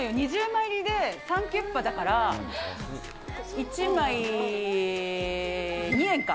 ２０枚入りで３９８だから、１枚、２円か？